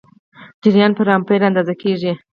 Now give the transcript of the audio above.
جریان په امپیر اندازه کېږي.